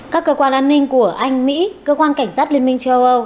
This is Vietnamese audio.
các cơ quan an ninh của anh mỹ cơ quan cảnh sát liên minh châu âu